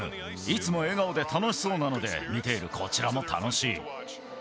いつも笑顔で楽しそうなので、見ているこちらも楽しい。